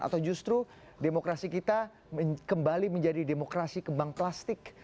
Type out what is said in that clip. atau justru demokrasi kita kembali menjadi demokrasi kembang plastik